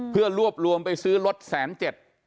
เพื่อรวบรวมไปซื้อรถแสนเจ็ด